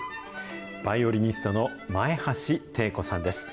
バイオリニストの前橋汀子さんです。